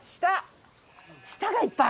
舌がいっぱい？